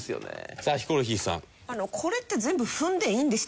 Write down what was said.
さあヒコロヒーさん。